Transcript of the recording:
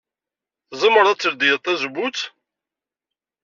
Tzemred ad tledyed tazewwut?